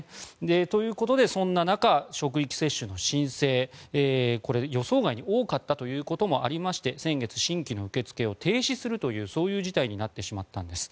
ということでそんな中、職域接種の申請が予想外に多かったということもあって先月、新規の受け付けを停止するというそういう事態になってしまったんです。